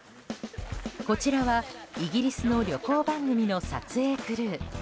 こちらは、イギリスの旅行番組の撮影クルー。